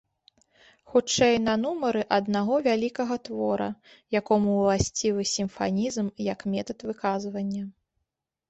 Хутчэй на нумары аднаго вялікага твора, якому ўласцівы сімфанізм як метад выказвання.